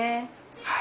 はい。